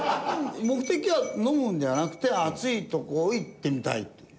目的は飲むのではなくて暑い所に行ってみたいという。